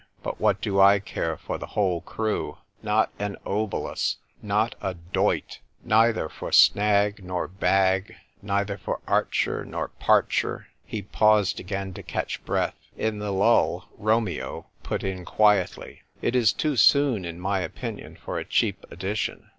But what do I care for the whole crew ? Not an obolus, not a doit — neither for Snagg nor Bagg, neither for Archer nor Parcher." He paused again to catch breath. In the lull, Romeo put in quietly, " It is too soon, in my opinion, for a cheap edition."